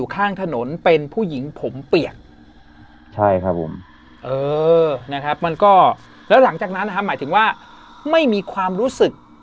ข้างถนนเป็นผู้หญิงผมเปียกแล้วหลังจากนั้นไม่มีความรู้สึก